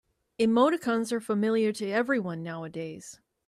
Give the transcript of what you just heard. Emoticons are familiar to everyone nowadays.